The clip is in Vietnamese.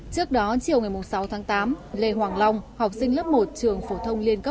trước đó chiều ngày sáu tháng tám lê hoàng long học sinh lớp một trường phổ thông liên cấp